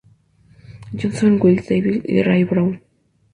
Johnson, Will Davis y Ray Brown.